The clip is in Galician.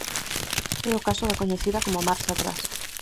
É o caso da coñecida como marcha atrás.